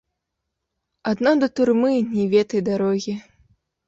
Адно да турмы не ведай дарогі.